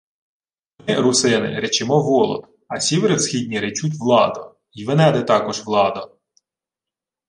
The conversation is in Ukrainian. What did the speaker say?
— Ми, русини, речемо Волод, а сіври всхідні речуть Владо. Й венеди такоже Владо.